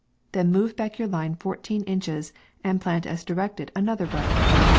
Then move back your line fourteen inches, and plant, as directed, another row, &c.